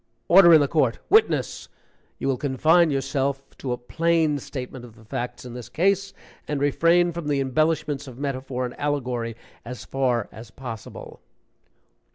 "Order in the court! Witness, you will confine yourself to a plain statement of the facts in this case, and refrain from the embellishments of metaphor and allegory as far as possible."